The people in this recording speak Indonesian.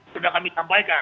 sudah kami sampaikan